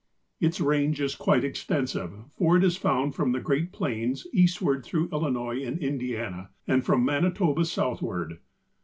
Its range is quite extensive, for it is found from the Great Plains eastward through Illinois and Indiana and from Manitoba southward.